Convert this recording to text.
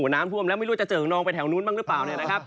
น้ำท่วมแล้วไม่รู้จะเจอกับน้องไปแถวนู้นบ้างหรือเปล่า